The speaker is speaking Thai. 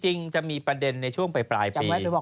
จริงจะมีประเด็นในช่วงปลายปี